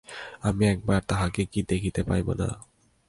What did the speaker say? আমি একবার তাহাকে কি দেখিতে পাইব না?